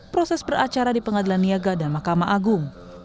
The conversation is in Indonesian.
proses beracara di pengadilan niaga dan mahkamah agung